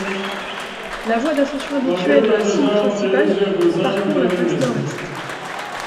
La voie d'ascension habituelle de la cime principale parcourt la face nord-est.